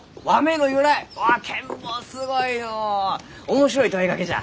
面白い問いかけじゃ。